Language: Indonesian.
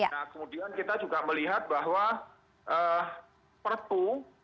nah kemudian kita juga melihat bahwa perpu